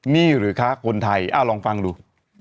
นี่หรือคะคนไทยลองฟังดู